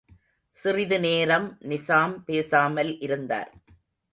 சிறிதுநேரம் நிசாம் பேசாமல் இருந்தார்.